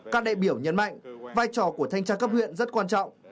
các đại biểu nhấn mạnh vai trò của thanh tra cấp huyện rất quan trọng